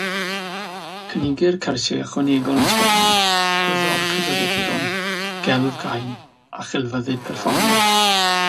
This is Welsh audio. Cynigir cyrsiau ychwanegol mewn Sbaeneg, Gwyddor Cyfrifiaduron, Gelf Gain a Chelfyddyd Perfformio.